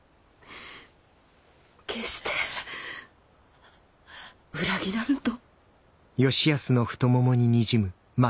決して裏切らぬと。